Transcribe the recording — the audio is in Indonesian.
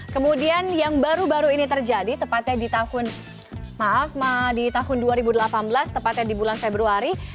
kemudian yang baru baru ini terjadi tepatnya di tahun maaf di tahun dua ribu delapan belas tepatnya di bulan februari